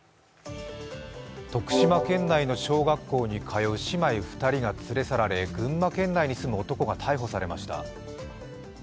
徳島県内の小学校に通う姉妹２人が連れ去られ群馬県内に住む男が逮捕されました。